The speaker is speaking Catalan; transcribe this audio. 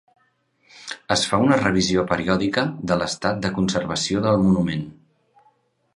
Es fa una revisió periòdica de l'estat de conservació del monument.